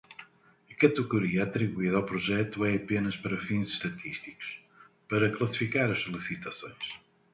A categoria atribuída ao projeto é apenas para fins estatísticos, para classificar as solicitações.